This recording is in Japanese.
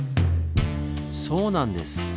そうなんです！